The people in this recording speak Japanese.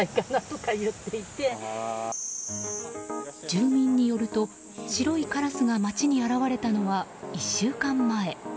住民によると白いカラスが町に現れたのは１週間前。